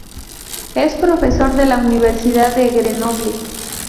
Es profesor de la Universidad de Grenoble.